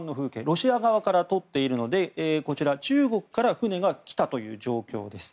ロシア側から撮っているので中国から船が来たという状況です。